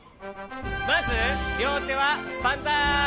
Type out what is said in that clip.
まずりょうてはバンザイ。